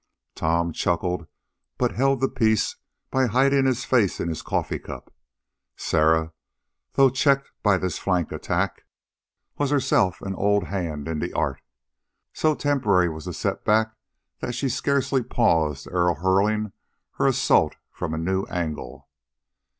Tom chuckled, but held the peace by hiding his face in his coffee cup. Sarah, though checked by this flank attack, was herself an old hand in the art. So temporary was the setback that she scarcely paused ere hurling her assault from a new angle.